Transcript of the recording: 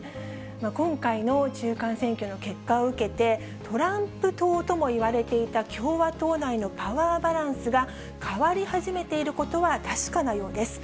今回の中間選挙の結果を受けて、トランプ党ともいわれていた共和党内のパワーバランスが変わり始めていることは確かなようです。